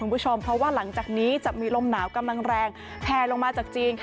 คุณผู้ชมเพราะว่าหลังจากนี้จะมีลมหนาวกำลังแรงแพลลงมาจากจีน